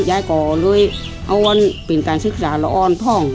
ยายก็เลยเอาวันเป็นการศึกษาแล้วอ้อนพ่อง